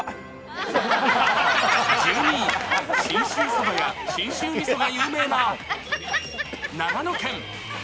１２位、信州そばや信州みそが有名な長野県。